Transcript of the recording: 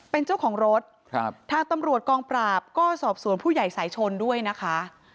เป็นเจ้าของรถครับทางตำรวจกองปราบก็สอบสวนผู้ใหญ่สายชนด้วยนะคะ